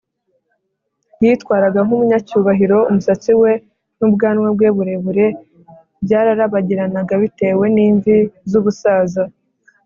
yitwaraga nk’umunyacubahiro, umusatsi we n’ubwanwa bwe burebure byararabagiranaga bitewe n’imvi z’ubusaza